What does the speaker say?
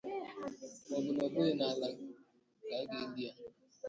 maọbụ na ọ bụghị n'ala ka a ga-eli ya